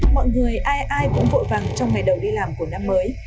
mọi người ai ai cũng vội vàng trong ngày đầu đi làm của năm mới